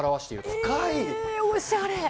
おしゃれ。